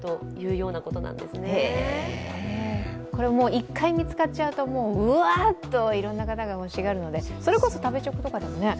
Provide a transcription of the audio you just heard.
１回見つかっちゃうとうわっといろんな人が欲しがるのでそれこそ食べチョクとかでも。